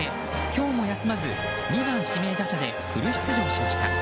今日も休まず２番指名打者でフル出場しました。